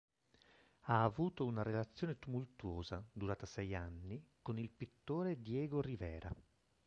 Ha avuto una relazione tumultuosa, durata sei anni, con il pittore Diego Rivera.